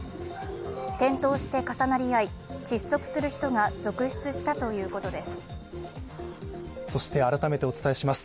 転倒して重なり合い窒息する人が続出したということです。